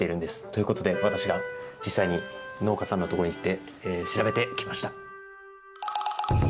ということで私が実際に農家さんのところに行って調べてきました。